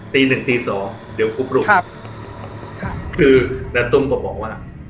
ตีหนึ่งตีสองเดี๋ยวกรุ๊ปลุกคือนาตุ้มก็บอกว่า